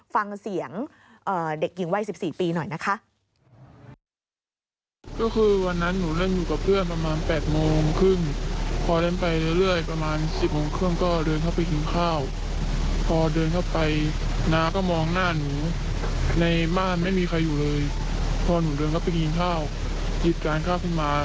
ฟังเสียงเด็กหญิงวัย๑๔ปีหน่อยนะคะ